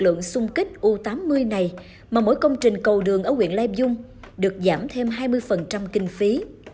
lượng xung kích u tám mươi này mà mỗi công trình cầu đường ở quyện lai dung được giảm thêm hai mươi kinh phí